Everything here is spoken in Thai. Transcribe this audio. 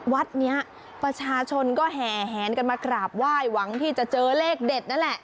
วัดนี้ประชาชนก็แห่แหนกันมากราบไหว้หวังที่จะเจอเลขเด็ดนั่นแหละ